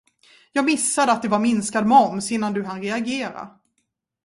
Jag missade att det var minskad moms innan du hann reagera.